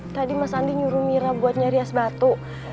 tadi mas andi nyuruh mira buat nyari es batu